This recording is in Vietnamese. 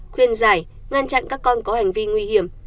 khuyên giải ngăn chặn các con có hành vi nguy hiểm